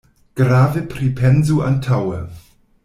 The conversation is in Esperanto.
Grave pripensu antaŭe.